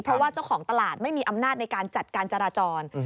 เพราะว่าเจ้าของตลาดไม่มีอำนาจในการจัดการจราจร